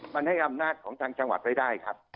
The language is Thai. มันให้อำนาจของทางจังหวัดไม่ได้ครับ